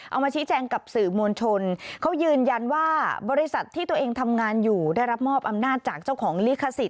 เอามาชี้แจงกับสื่อมวลชนเขายืนยันว่าบริษัทที่ตัวเองทำงานอยู่ได้รับมอบอำนาจจากเจ้าของลิขสิทธ